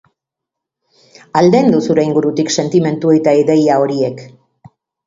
Aldendu zure ingurutik sentimendu eta ideia horiek.